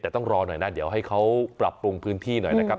แต่ต้องรอหน่อยนะเดี๋ยวให้เขาปรับปรุงพื้นที่หน่อยนะครับ